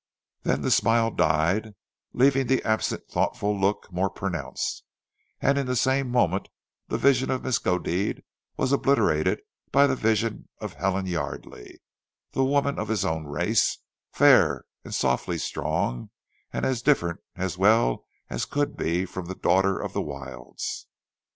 Then the smile died, leaving the absent, thoughtful look more pronounced, and in the same moment the vision of Miskodeed was obliterated by the vision of Helen Yardely the woman of his own race, fair and softly strong, and as different as well as could be from the daughter of the wilds.